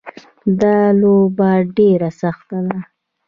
دا لوبه ډېره سخته ده